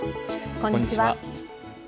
こんにちは。